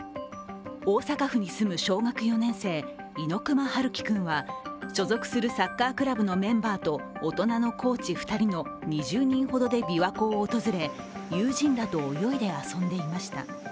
大阪府に住む小学４年生、猪熊遥希君はは所属するサッカークラブのメンバーと大人のコーチ２人の２０人ほどでびわ湖を訪れ友人らと泳いで遊んでいました。